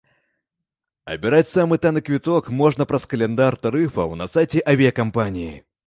Абіраць самы танны квіток можна праз каляндар тарыфаў на сайце авіякампаніі.